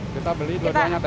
kita beli dua duanya